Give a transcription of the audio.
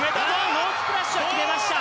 ノースプラッシュを決めました。